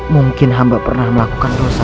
mungkin hamba pernah melakukan dosa